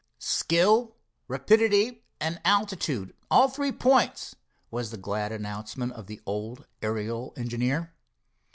"Skill, rapidity and altitude—all three points," was the glad announcement of the old aerial engineer.